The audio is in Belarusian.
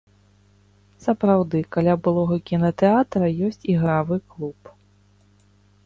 Сапраўды, каля былога кінатэатра ёсць ігравы клуб.